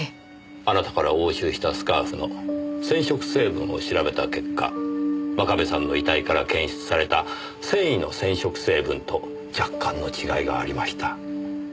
あなたから押収したスカーフの染色成分を調べた結果真壁さんの遺体から検出された繊維の染色成分と若干の違いがありました。